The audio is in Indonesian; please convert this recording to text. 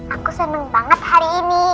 aku senang banget hari ini